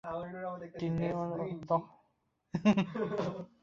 তিন্নি তখন খুব সহজ গলায় বলল, বাবা, তুমি চলে যাও।